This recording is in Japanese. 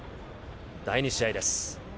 第２試合です。